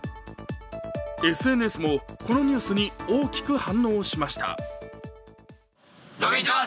ＳＮＳも、このニュースに大きく反応しました。